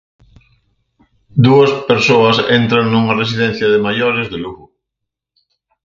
Dúas persoas entran nunha residencia de maiores de Lugo.